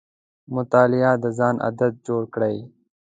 مطالعه د ځان عادت جوړ کړه.